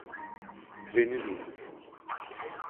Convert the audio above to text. Treni durdur!